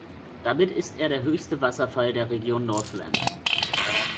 Damit ist er der höchste Wasserfall der Region Northland.